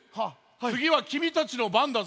つぎはきみたちのばんだぞ。